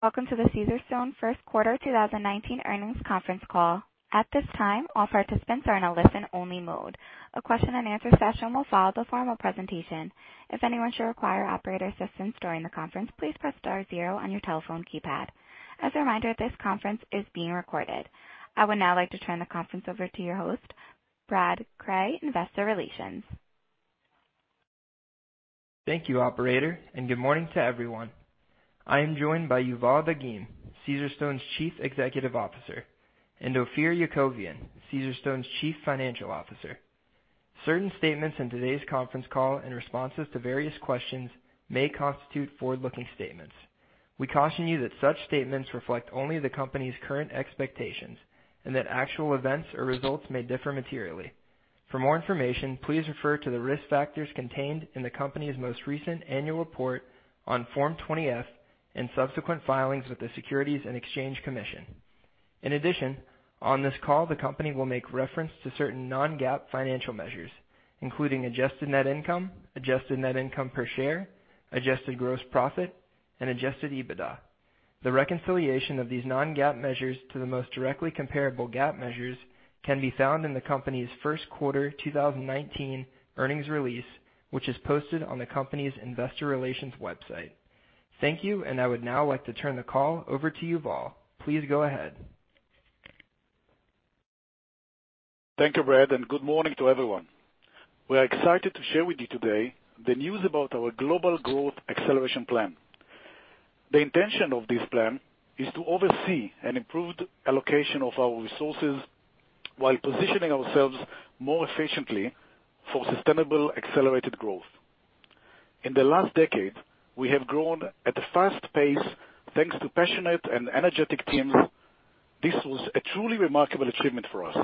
Welcome to the Caesarstone First Quarter 2019 Earnings Conference Call. At this time, all participants are in a listen-only mode. A question-and-answer session will follow the formal presentation. If anyone should require operator assistance during the conference, please press star zero on your telephone keypad. As a reminder, this conference is being recorded. I would now like to turn the conference over to your host, Brad Cray, Investor Relations. Thank you, operator. Good morning to everyone. I am joined by Yuval Dagim, Caesarstone's Chief Executive Officer, and Ophir Yakovian, Caesarstone's Chief Financial Officer. Certain statements in today's conference call and responses to various questions may constitute forward-looking statements. We caution you that such statements reflect only the company's current expectations, and that actual events or results may differ materially. For more information, please refer to the risk factors contained in the company's most recent annual report on Form 20-F and subsequent filings with the Securities and Exchange Commission. In addition, on this call the company will make reference to certain non-GAAP financial measures, including adjusted net income, adjusted net income per share, adjusted gross profit, and adjusted EBITDA. The reconciliation of these non-GAAP measures to the most directly comparable GAAP measures can be found in the company's first quarter 2019 earnings release, which is posted on the company's investor relations website. Thank you. I would now like to turn the call over to Yuval. Please go ahead. Thank you, Brad. Good morning to everyone. We're excited to share with you today the news about our global growth acceleration plan. The intention of this plan is to oversee an improved allocation of our resources while positioning ourselves more efficiently for sustainable, accelerated growth. In the last decade, we have grown at a fast pace, thanks to passionate and energetic teams. This was a truly remarkable achievement for us.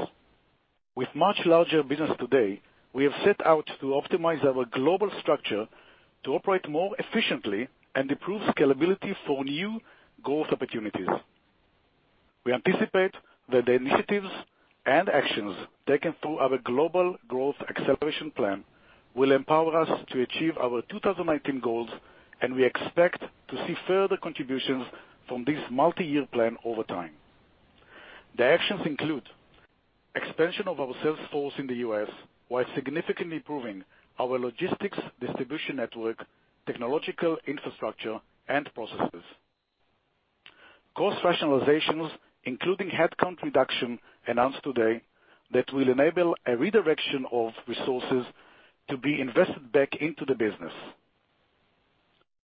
With much larger business today, we have set out to optimize our global structure to operate more efficiently and improve scalability for new growth opportunities. We anticipate that the initiatives and actions taken through our global growth acceleration plan will empower us to achieve our 2019 goals, and we expect to see further contributions from this multi-year plan over time. The actions include expansion of our sales force in the U.S. while significantly improving our logistics distribution network, technological infrastructure, and processes. Cost rationalizations, including headcount reduction announced today, that will enable a redirection of resources to be invested back into the business.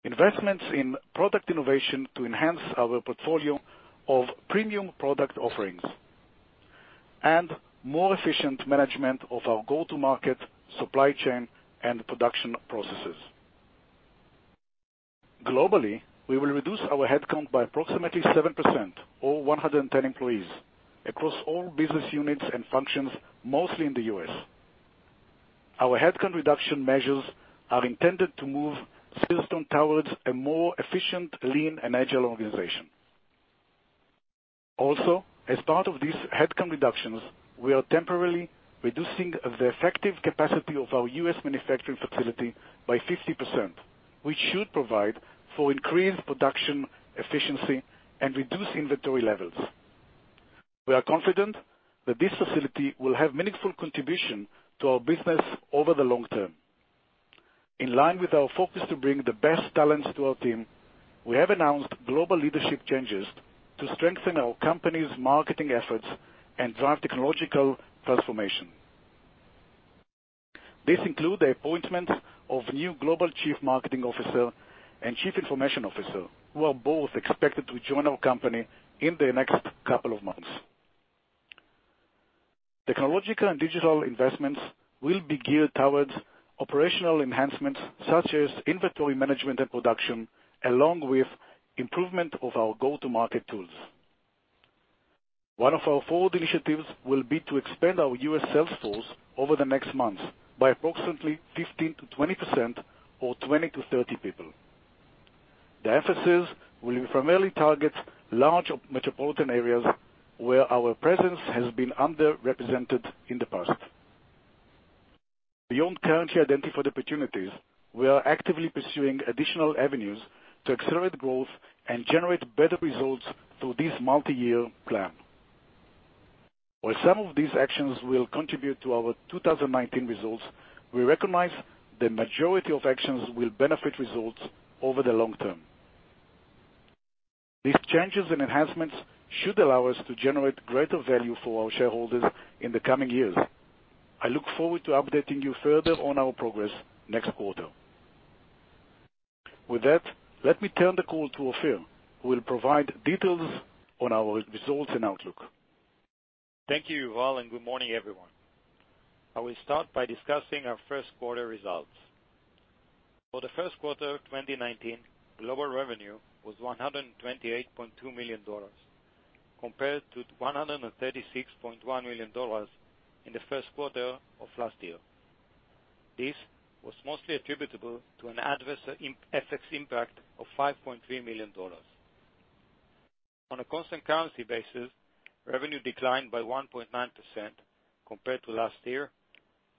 Investments in product innovation to enhance our portfolio of premium product offerings, and more efficient management of our go-to-market supply chain and production processes. Globally, we will reduce our headcount by approximately 7% or 110 employees across all business units and functions, mostly in the U.S. Our headcount reduction measures are intended to move Caesarstone towards a more efficient, lean, and agile organization. Also, as part of these headcount reductions, we are temporarily reducing the effective capacity of our U.S. manufacturing facility by 50%, which should provide for increased production efficiency and reduce inventory levels. We are confident that this facility will have meaningful contribution to our business over the long term. In line with our focus to bring the best talents to our team, we have announced global leadership changes to strengthen our company's marketing efforts and drive technological transformation. This includes the appointment of new global chief marketing officer and chief information officer, who are both expected to join our company in the next couple of months. Technological and digital investments will be geared towards operational enhancements such as inventory management and production, along with improvement of our go-to-market tools. One of our forward initiatives will be to expand our U.S. sales force over the next months by approximately 15%-20% or 20 to 30 people. The emphasis will primarily target large metropolitan areas where our presence has been underrepresented in the past. Beyond currently identified opportunities, we are actively pursuing additional avenues to accelerate growth and generate better results through this multi-year plan. While some of these actions will contribute to our 2019 results, we recognize the majority of actions will benefit results over the long term. These changes and enhancements should allow us to generate greater value for our shareholders in the coming years. I look forward to updating you further on our progress next quarter. With that, let me turn the call to Ophir, who will provide details on our results and outlook. Thank you, Yuval, and good morning, everyone. I will start by discussing our first quarter results. For the first quarter 2019, global revenue was $128.2 million, compared to $136.1 million in the first quarter of last year. This was mostly attributable to an adverse FX impact of $5.3 million. On a constant currency basis, revenue declined by 1.9% compared to last year,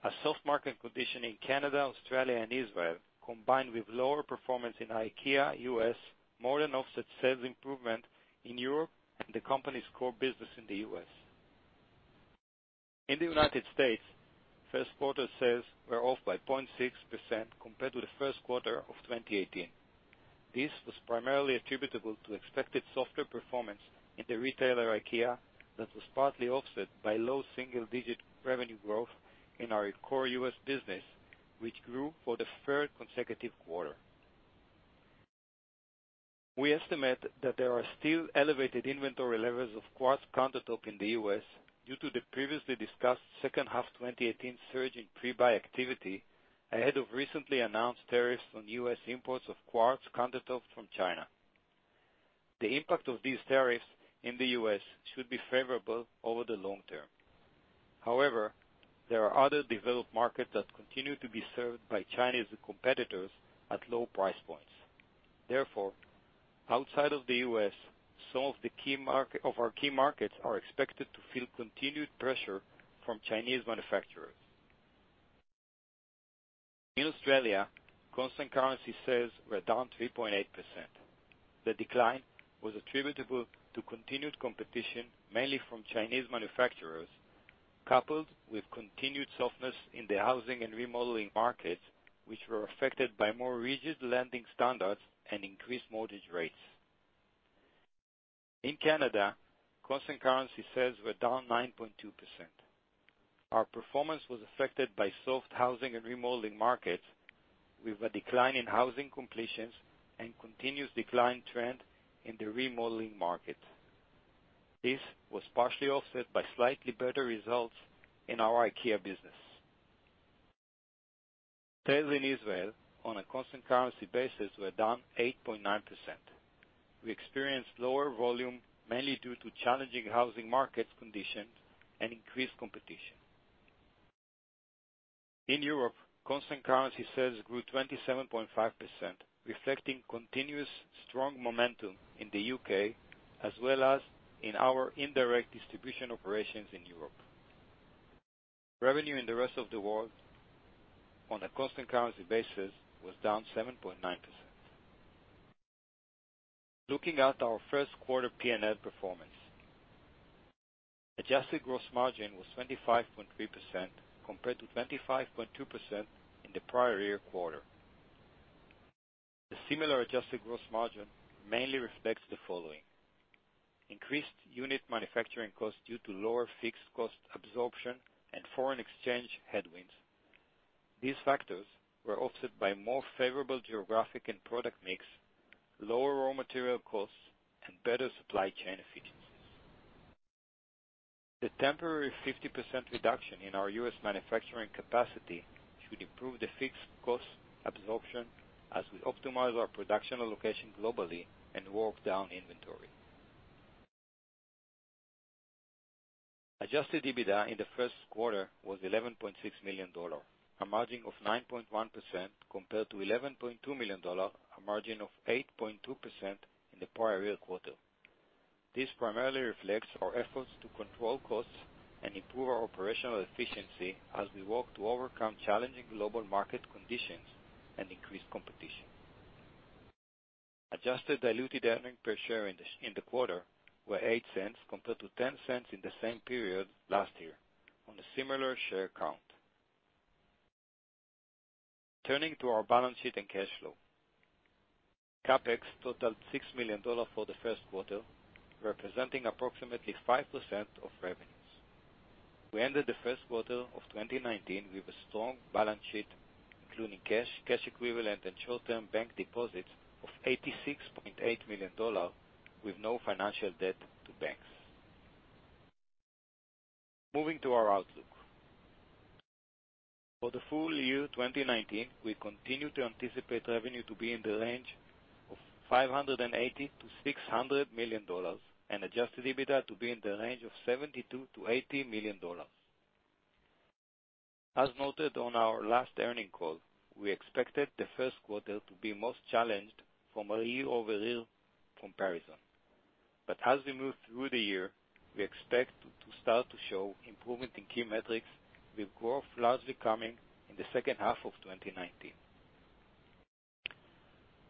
as soft market condition in Canada, Australia, and Israel, combined with lower performance in IKEA U.S., more than offset sales improvement in Europe and the company's core business in the U.S. In the United States, first quarter sales were off by 0.6% compared to the first quarter of 2018. This was primarily attributable to expected softer performance in the retailer IKEA, that was partly offset by low single-digit revenue growth in our core U.S. business, which grew for the third consecutive quarter. We estimate that there are still elevated inventory levels of quartz countertop in the U.S. due to the previously discussed second half 2018 surge in pre-buy activity ahead of recently announced tariffs on U.S. imports of quartz countertops from China. The impact of these tariffs in the U.S. should be favorable over the long term. However, there are other developed markets that continue to be served by Chinese competitors at low price points. Therefore, outside of the U.S., some of our key markets are expected to feel continued pressure from Chinese manufacturers. In Australia, constant currency sales were down 3.8%. The decline was attributable to continued competition, mainly from Chinese manufacturers, coupled with continued softness in the housing and remodeling markets, which were affected by more rigid lending standards and increased mortgage rates. In Canada, constant currency sales were down 9.2%. Our performance was affected by soft housing and remodeling markets with a decline in housing completions and continuous decline trend in the remodeling market. This was partially offset by slightly better results in our IKEA business. Sales in Israel on a constant currency basis were down 8.9%. We experienced lower volume, mainly due to challenging housing market conditions and increased competition. In Europe, constant currency sales grew 27.5%, reflecting continuous strong momentum in the U.K., as well as in our indirect distribution operations in Europe. Revenue in the rest of the world on a constant currency basis was down 7.9%. Looking at our first quarter P&L performance. Adjusted gross margin was 25.3% compared to 25.2% in the prior year quarter. The similar adjusted gross margin mainly reflects the following. Increased unit manufacturing costs due to lower fixed cost absorption and foreign exchange headwinds. These factors were offset by more favorable geographic and product mix, lower raw material costs, and better supply chain efficiencies. The temporary 50% reduction in our U.S. manufacturing capacity should improve the fixed cost absorption as we optimize our production allocation globally and work down inventory. Adjusted EBITDA in the first quarter was $11.6 million, a margin of 9.1%, compared to $11.2 million, a margin of 8.2% in the prior year quarter. This primarily reflects our efforts to control costs and improve our operational efficiency as we work to overcome challenging global market conditions and increased competition. Adjusted diluted earnings per share in the quarter were $0.08 compared to $0.10 in the same period last year on a similar share count. Turning to our balance sheet and cash flow. CapEx totaled $6 million for the first quarter, representing approximately 5% of revenues. We ended the first quarter of 2019 with a strong balance sheet, including cash equivalent, and short-term bank deposits of $86.8 million with no financial debt to banks. Moving to our outlook. For the full year 2019, we continue to anticipate revenue to be in the range of $580 million-$600 million and adjusted EBITDA to be in the range of $72 million-$80 million. As noted on our last earning call, we expected the first quarter to be most challenged from a year-over-year comparison. As we move through the year, we expect to start to show improvement in key metrics with growth largely coming in the second half of 2019.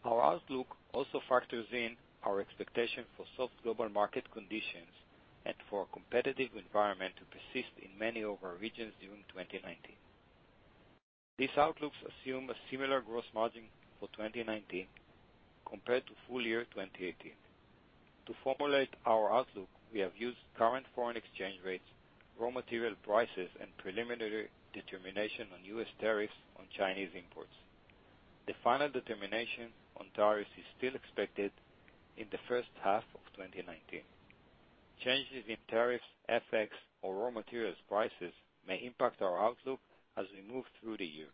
Our outlook also factors in our expectation for soft global market conditions and for a competitive environment to persist in many of our regions during 2019. These outlooks assume a similar gross margin for 2019 compared to full year 2018. To formulate our outlook, we have used current foreign exchange rates, raw material prices, and preliminary determination on U.S. tariffs on Chinese imports. The final determination on tariffs is still expected in the first half of 2019. Changes in tariffs, FX, or raw materials prices may impact our outlook as we move through the year.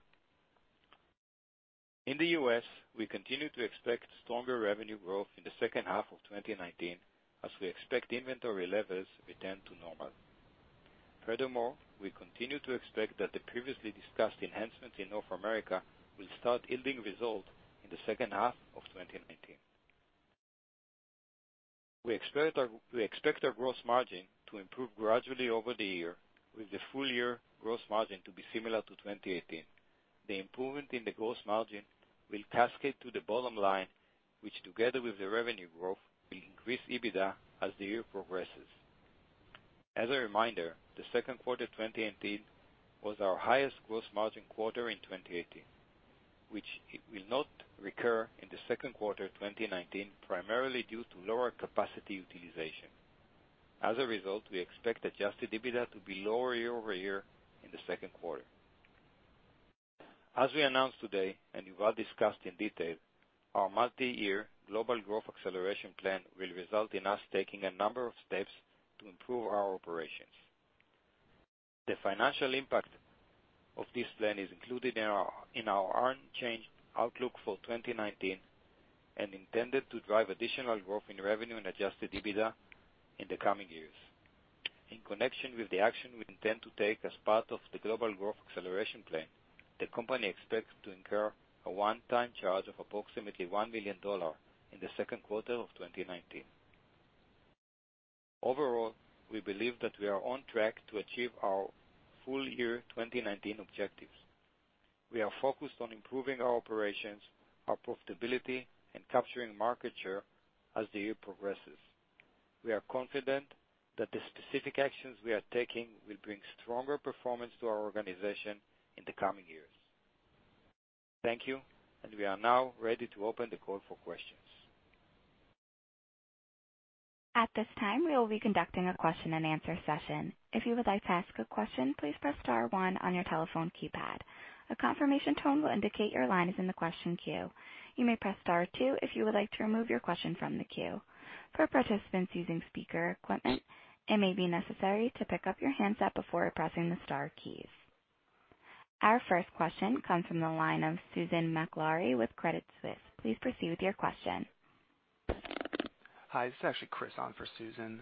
In the U.S., we continue to expect stronger revenue growth in the second half of 2019, as we expect inventory levels return to normal. Furthermore, we continue to expect that the previously discussed enhancements in North America will start yielding results in the second half of 2019. We expect our gross margin to improve gradually over the year, with the full year gross margin to be similar to 2018. The improvement in the gross margin will cascade to the bottom line, which together with the revenue growth, will increase EBITDA as the year progresses. As a reminder, the second quarter 2018 was our highest gross margin quarter in 2018, which will not recur in the second quarter of 2019, primarily due to lower capacity utilization. As a result, we expect adjusted EBITDA to be lower year-over-year in the second quarter. As we announced today, Yuval discussed in detail, our multi-year global growth acceleration plan will result in us taking a number of steps to improve our operations. The financial impact of this plan is included in our unchanged outlook for 2019 and intended to drive additional growth in revenue and adjusted EBITDA in the coming years. In connection with the action we intend to take as part of the global growth acceleration plan, the company expects to incur a one-time charge of approximately $1 million in the second quarter of 2019. Overall, we believe that we are on track to achieve our full year 2019 objectives. We are focused on improving our operations, our profitability, and capturing market share as the year progresses. We are confident that the specific actions we are taking will bring stronger performance to our organization in the coming years. Thank you, we are now ready to open the call for questions. At this time, we will be conducting a question and answer session. If you would like to ask a question, please press star one on your telephone keypad. A confirmation tone will indicate your line is in the question queue. You may press star two if you would like to remove your question from the queue. For participants using speaker equipment, it may be necessary to pick up your handset before pressing the star keys. Our first question comes from the line of Susan Maklari with Credit Suisse. Please proceed with your question. Hi, this is actually Chris on for Susan.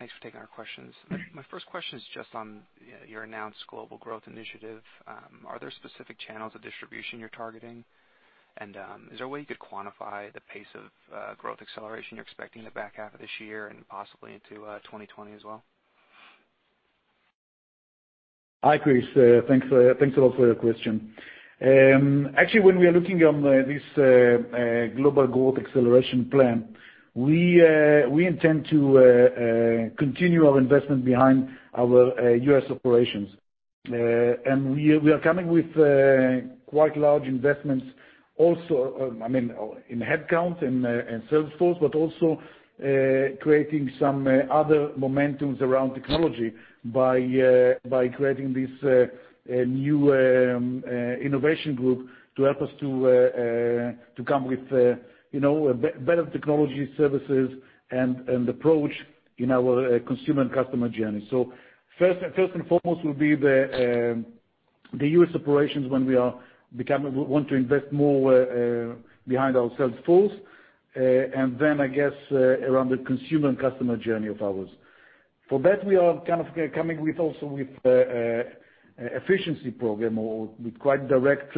Thanks for taking our questions. My first question is just on your announced global growth initiative. Are there specific channels of distribution you're targeting? Is there a way you could quantify the pace of growth acceleration you're expecting in the back half of this year, and possibly into 2020 as well? Hi, Chris. Thanks a lot for your question. Actually, when we are looking on this global growth acceleration plan, we intend to continue our investment behind our U.S. operations. We are coming with quite large investments also in headcount and sales force, but also creating some other momentums around technology by creating this new innovation group to help us to come with better technology services and approach in our consumer and customer journey. First and foremost will be the U.S. operations when we want to invest more behind our sales force, and then I guess around the consumer and customer journey of ours. For that, we are kind of coming also with efficiency program or with quite direct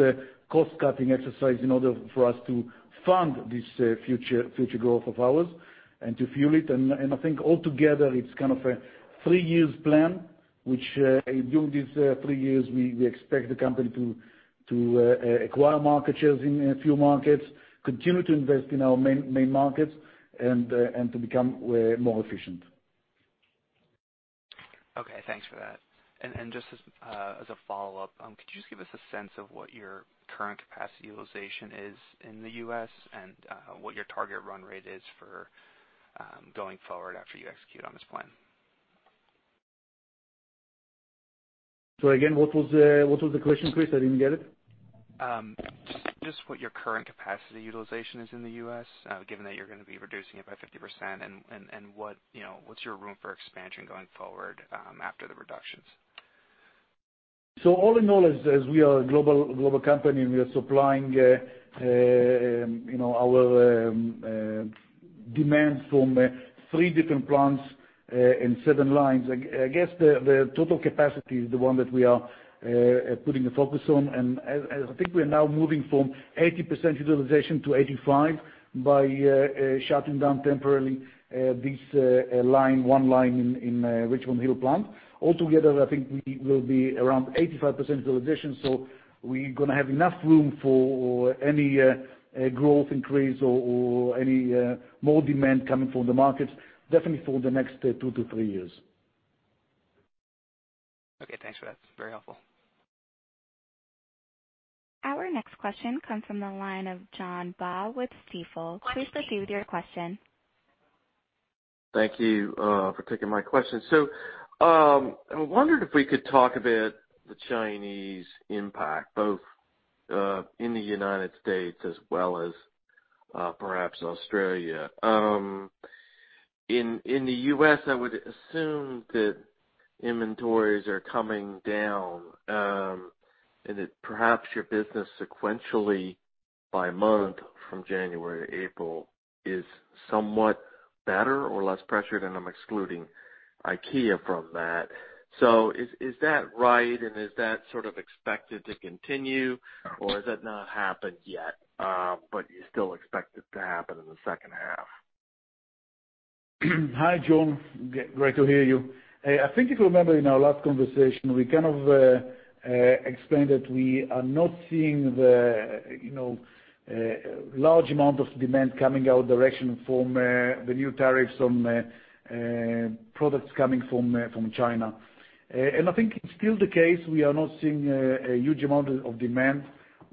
cost-cutting exercise in order for us to fund this future growth of ours and to fuel it. I think all together, it's kind of a three years plan, which during these three years, we expect the company to acquire market shares in a few markets, continue to invest in our main markets, and to become more efficient. Okay, thanks for that. Just as a follow-up, could you just give us a sense of what your current capacity utilization is in the U.S. and what your target run rate is for going forward after you execute on this plan? Again, what was the question, Chris? I didn't get it. Just what your current capacity utilization is in the U.S., given that you're going to be reducing it by 50%, and what's your room for expansion going forward after the reductions? All in all, as we are a global company, and we are supplying our demands from three different plants and seven lines, I guess the total capacity is the one that we are putting a focus on. I think we are now moving from 80% utilization to 85% by shutting down temporarily this one line in Richmond Hill plant. All together, I think we will be around 85% utilization, so we're going to have enough room for any growth increase or any more demand coming from the markets definitely for the next two to three years. Okay, thanks for that. Very helpful. Our next question comes from the line of John Baugh with Stifel. Please proceed with your question. Thank you for taking my question. I wondered if we could talk a bit the Chinese impact, both in the U.S. as well as perhaps Australia. In the U.S., I would assume that inventories are coming down. And that perhaps your business sequentially by month from January to April is somewhat better or less pressured, and I'm excluding IKEA from that. Is that right, and is that sort of expected to continue, or has that not happened yet, but you still expect it to happen in the second half? Hi, John. Great to hear you. I think if you remember in our last conversation, we kind of explained that we are not seeing the large amount of demand coming our direction from the new tariffs on products coming from China. I think it's still the case. We are not seeing a huge amount of demand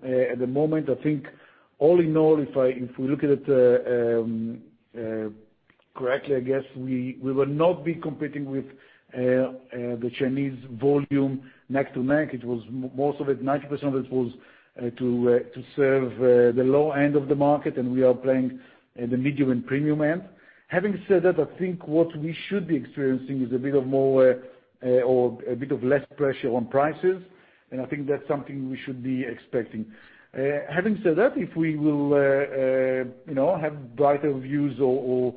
at the moment. I think all in all, if we look at it correctly, I guess we will not be competing with the Chinese volume neck to neck. Most of it, 90% of it was to serve the low end of the market, and we are playing in the medium and premium end. Having said that, I think what we should be experiencing is a bit of less pressure on prices. I think that's something we should be expecting. Having said that, if we will have brighter views or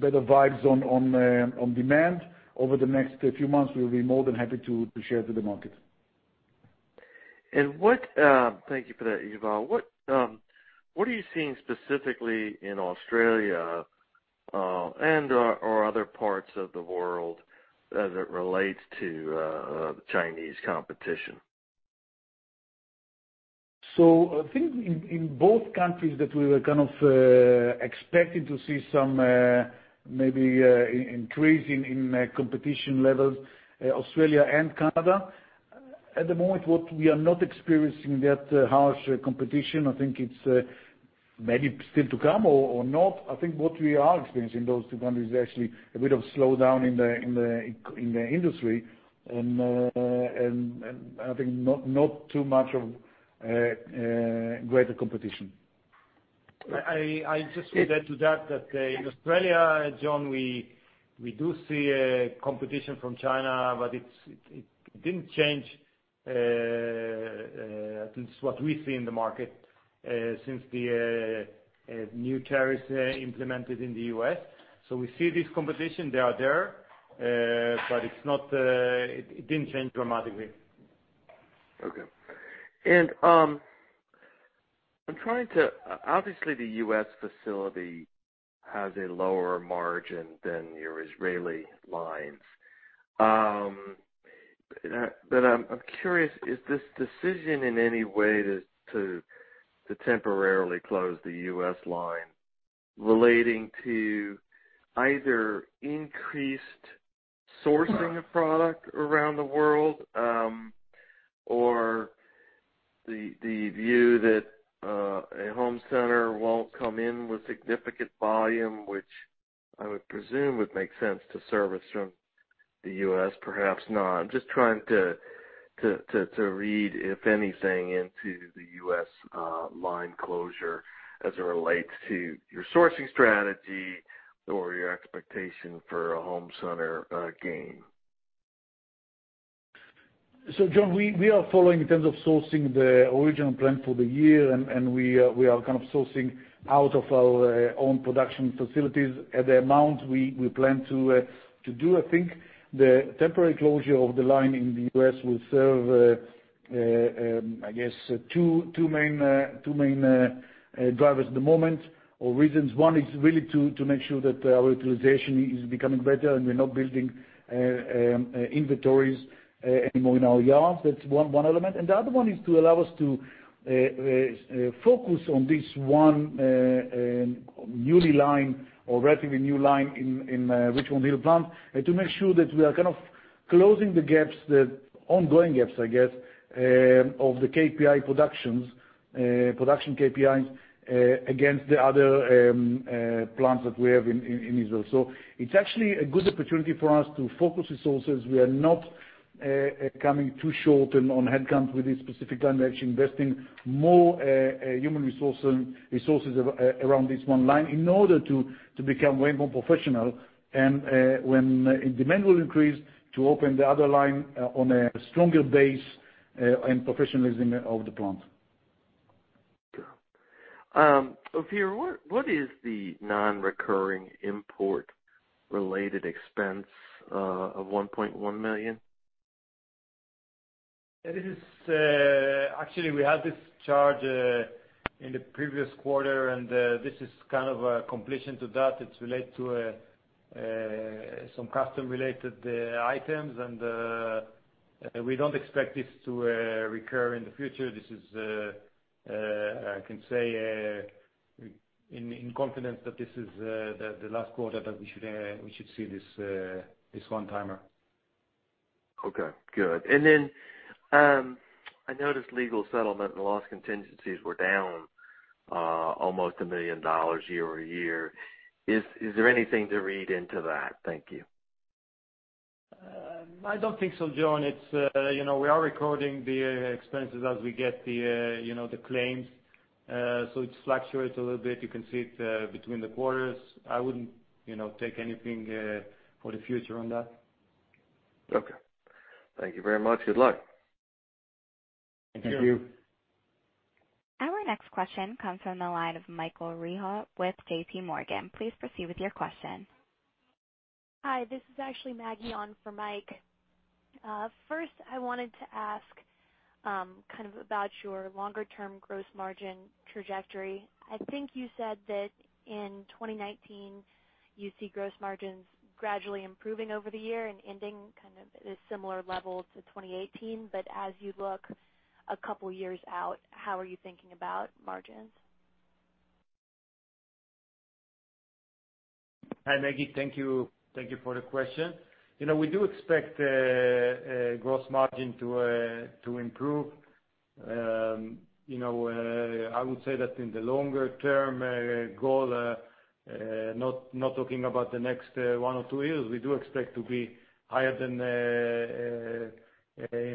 better vibes on demand over the next few months, we'll be more than happy to share to the market. Thank you for that, Yuval. What are you seeing specifically in Australia, and/or other parts of the world as it relates to the Chinese competition? I think in both countries that we were kind of expecting to see some, maybe increase in competition levels, Australia and Canada. At the moment, what we are not experiencing that harsh competition, I think it's maybe still to come or not. I think what we are experiencing in those two countries is actually a bit of slowdown in the industry, and I think not too much of greater competition. I just add to that in Australia, John, we do see competition from China, but it didn't change, at least what we see in the market, since the new tariffs implemented in the U.S. We see this competition, they are there. It didn't change dramatically. Obviously, the U.S. facility has a lower margin than your Israeli lines. I'm curious, is this decision in any way to temporarily close the U.S. line relating to either increased sourcing of product around the world, or the view that a home center won't come in with significant volume, which I would presume would make sense to service from the U.S., perhaps not. I'm just trying to read, if anything, into the U.S. line closure as it relates to your sourcing strategy or your expectation for a home center gain. John, we are following in terms of sourcing the original plan for the year. We are kind of sourcing out of our own production facilities at the amount we plan to do. I think the temporary closure of the line in the U.S. will serve, I guess, two main drivers at the moment, or reasons. One is really to make sure that our utilization is becoming better and we're not building inventories any more in our yards. That's one element. The other one is to allow us to focus on this one newly line or relatively new line in Richmond, Illinois plant, and to make sure that we are kind of closing the ongoing gaps, I guess, of the production KPIs against the other plants that we have in Israel. It's actually a good opportunity for us to focus resources. We are not coming too short on headcount with this specific plan. We're actually investing more human resources around this one line in order to become way more professional. When demand will increase, to open the other line on a stronger base and professionalism of the plant. Okay. Ophir, what is the non-recurring import-related expense of $1.1 million? We had this charge in the previous quarter, and this is kind of a completion to that. It's related to some custom-related items. We don't expect this to recur in the future. This is, I can say in confidence, that this is the last quarter that we should see this one-timer. Okay, good. I noticed legal settlement and loss contingencies were down almost $1 million year-over-year. Is there anything to read into that? Thank you. I don't think so, John. We are recording the expenses as we get the claims. It fluctuates a little bit. You can see it between the quarters. I wouldn't take anything for the future on that. Okay. Thank you very much. Good luck. Thank you. Thank you. Our next question comes from the line of Michael Rehaut with JPMorgan. Please proceed with your question. Hi. This is actually Maggie on for Mike. First, I wanted to ask about your longer-term gross margin trajectory. I think you said that in 2019, you see gross margins gradually improving over the year and ending at a similar level to 2018. As you look a couple years out, how are you thinking about margins? Hi, Maggie. Thank you for the question. We do expect gross margin to improve. I would say that in the longer-term goal, not talking about the next one or two years, we do expect to be higher than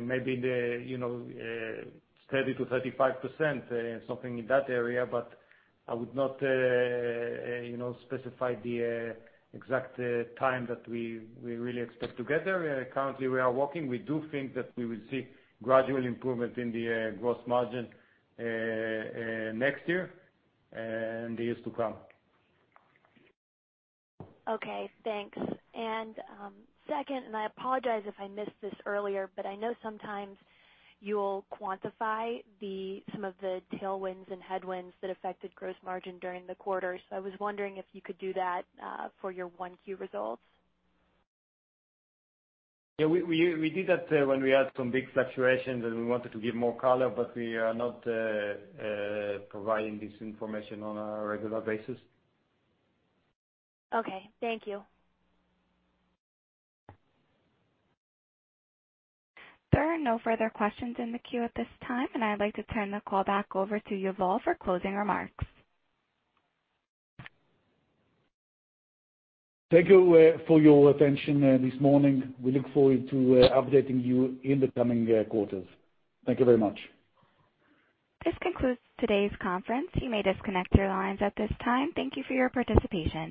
maybe the 30%-35%, something in that area. I would not specify the exact time that we really expect to get there. Currently, we are working. We do think that we will see gradual improvement in the gross margin next year and the years to come. Okay, thanks. Second, I apologize if I missed this earlier, I know sometimes you'll quantify some of the tailwinds and headwinds that affected gross margin during the quarter. I was wondering if you could do that for your 1Q results. Yeah, we did that when we had some big fluctuations, we wanted to give more color, we are not providing this information on a regular basis. Okay, thank you. There are no further questions in the queue at this time, I'd like to turn the call back over to Yuval for closing remarks. Thank you for your attention this morning. We look forward to updating you in the coming quarters. Thank you very much. This concludes today's conference. You may disconnect your lines at this time. Thank you for your participation.